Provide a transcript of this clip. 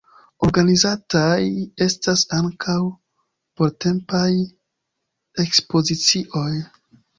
Organizataj estas ankaŭ portempaj ekspozicioj.